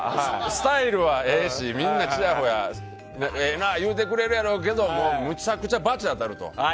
スタイルはええしみんな、ちやほやしてええな言うてくれるやろうけどむちゃくちゃ罰当たると。